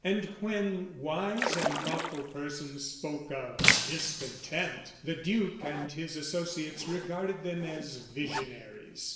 And when wise and thoughtful persons spoke of "discontent," the duke and his associates regarded them as visionaries.